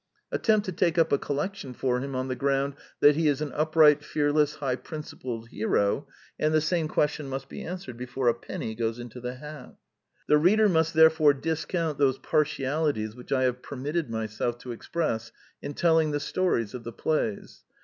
Attempt to take up a collection for him on the ground that he is an upright, fearless, high principled hero; and the same question must be answered before a penny goes into the hat. The reader must therefore discount those par tialities which I have permitted myself to express in telling the stories of the plays.